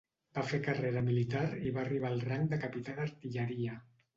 Va fer carrera militar i va arribar al rang de capità d'artilleria.